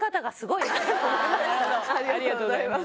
ありがとうございます。